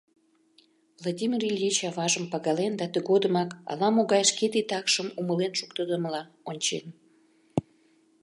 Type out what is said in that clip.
Владимир Ильич аважым пагален да тыгодымак ала-могай шке титакшым умылен шуктыдымыла ончен.